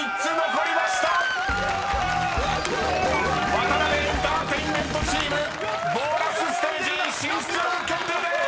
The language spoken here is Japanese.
［ワタナベエンターテインメントチームボーナスステージ進出決定でーす！］